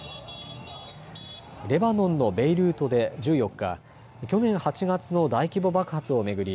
レバノンのベイルートで１４日、去年８月の大規模爆発を巡り